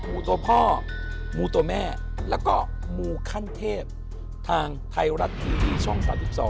หมูตัวพ่อมูตัวแม่แล้วก็มูขั้นเทพทางไทยรัฐทีวีช่อง๓๒